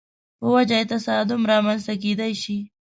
په وجه یې تصادم رامنځته کېدای شي.